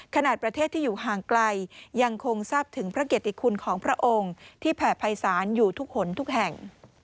ขณะประเทศที่อยู่ห่างไกลยังคงทราบถึงพระเกียรติคุณของพระองค์ที่แผ่ภัยศาลอยู่ทุกหนทุกแห่ง